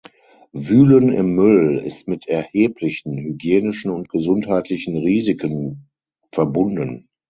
Wühlen im Müll ist mit erheblichen hygienischen und gesundheitlichen Risiken verbunden.